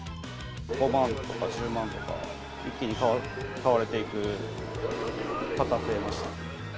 ５万とか１０万とか、一気に買われていく方、増えました。